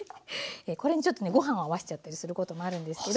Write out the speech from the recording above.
これにちょっとねご飯を合わせちゃったりすることもあるんですけど。